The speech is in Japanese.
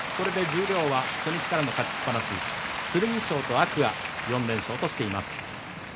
十両は初日からの勝ちっぱなし剣翔と天空海４連勝としています。